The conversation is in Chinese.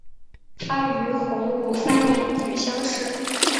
他于洪武三年举乡试。